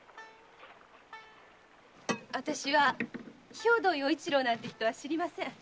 私は兵藤与一郎なんて人は知りません。